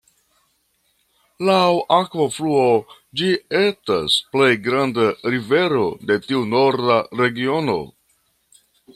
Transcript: Laŭ akvofluo, ĝi etas plej granda rivero de tiu Norda regiono.